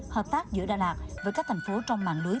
hợp tác giữa đà lạt với các thành phố trong mạng lưới